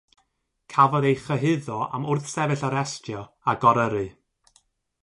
Cafodd ei chyhuddo am wrthsefyll arestio a goryrru.